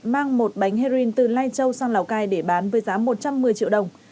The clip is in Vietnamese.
mang một bánh heroin từ lai châu sang lào cai để bán với giá một trăm một mươi triệu đồng